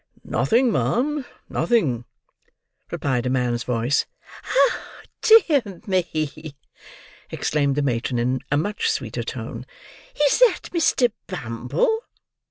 "Nothing, ma'am, nothing," replied a man's voice. "Dear me!" exclaimed the matron, in a much sweeter tone, "is that Mr. Bumble?"